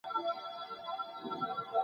مورنۍ ژبه څنګه د مفاهيمو تړاو روښانه کوي؟